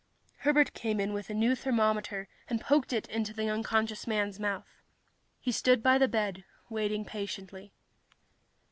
Herbert came in with a new thermometer and poked it into the unconscious man's mouth. He stood by the bed, waiting patiently.